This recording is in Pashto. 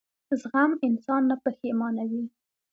زغم انسان نه پښېمانوي.